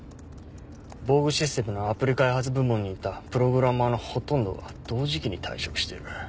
ボーグシステムのアプリ開発部門にいたプログラマーのほとんどが同時期に退職してる。